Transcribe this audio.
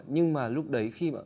nhưng mà lúc đấy khi mà